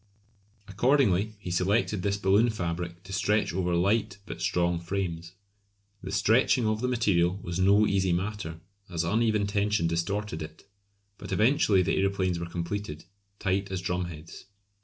Accordingly he selected this balloon fabric to stretch over light but strong frames. The stretching of the material was no easy matter, as uneven tension distorted it; but eventually the aeroplanes were completed, tight as drumheads.